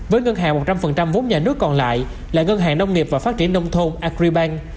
với ngân hàng một trăm linh vốn nhà nước còn lại là ngân hàng nông nghiệp và phát triển nông thôn agribank